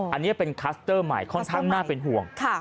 อันนี้เป็นคลัสเตอร์ใหม่ค่อนข้างน่าเป็นห่วง